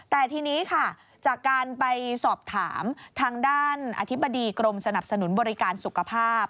แต่ทีนี้ค่ะจากการไปสอบถามทางด้านอธิบดีกรมสนับสนุนบริการสุขภาพ